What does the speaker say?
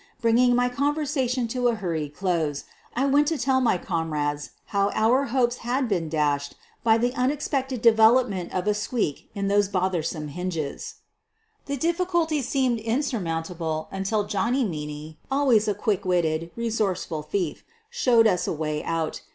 Bringing my conversation to a hurried close, I went to tell my comrades how our hopes had been dashed by the unexpected development of a squeak in those both*?r«or»jy hinges. 32 SOPHIE LYONS The difficulty seemed insurmountable until Johnny Meaney, always a quick witted, resourceful thief, showed us a way out.